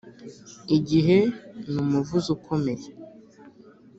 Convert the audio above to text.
igihe ni umuvuzi ukomeye